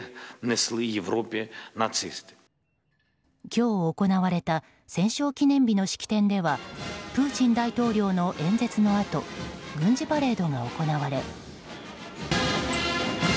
今日行われた戦勝記念日の式典ではプーチン大統領の演説のあと軍事パレードが行われ。